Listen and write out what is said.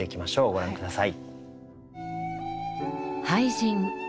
ご覧下さい。